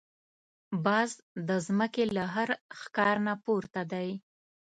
باز د زمکې له هر ښکار نه پورته دی